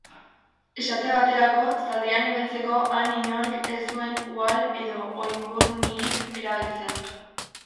Esate baterako, zaldian ibiltzeko han inork ez zuen uhal edo oinburnirik erabiltzen.